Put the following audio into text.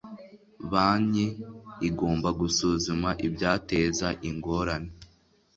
banki igomba gusuzuma ibyateza ingorane